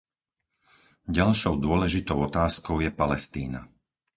Ďalšou dôležitou otázkou je Palestína.